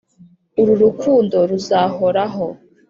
uru rukundo ruzahoraho